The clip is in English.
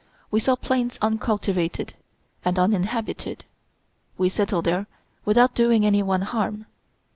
We saw plains uncultivated and uninhabited. We settled there without doing any one harm.